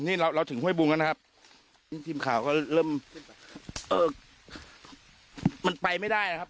นี่เราเราถึงห้วยบุงแล้วนะครับนี่ทีมข่าวก็เริ่มเอ่อมันไปไม่ได้นะครับ